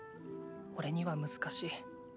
おれには難しい。